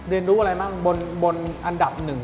เรียนรู้อะไรบ้างบนอันดับหนึ่ง